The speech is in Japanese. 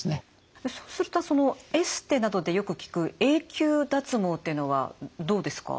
そうするとエステなどでよく聞く永久脱毛というのはどうですか？